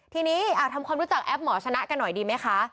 ทีนี้ทำความรู้จักแอปหมอชนะกันหน่อยดีไหมคะ